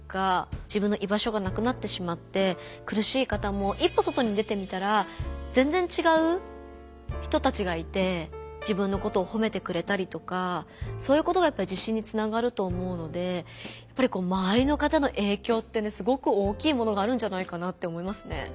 自分の居場所がなくなってしまって苦しい方も自分のことをほめてくれたりとかそういうことがやっぱり自信につながると思うのでまわりの方の影響ってねすごく大きいものがあるんじゃないかなって思いますね。